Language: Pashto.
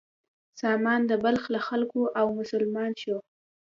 سامان د بلخ له خلکو و او مسلمان شو.